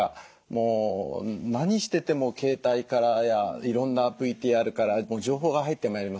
もう何してても携帯からやいろんなＶＴＲから情報が入ってまいりますでしょ。